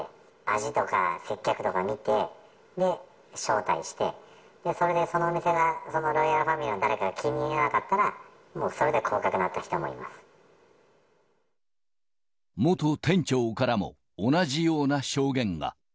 味とか、接客とか見て、招待して、それで、そのお店が、そのロイヤルファミリーの誰かが気に入らなかったら、もうそれで元店長からも、同じような証言が。